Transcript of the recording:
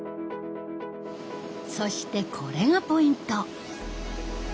そしてこれがポイント！